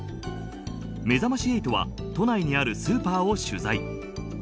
めざまし８は都内にあるスーパーを取材。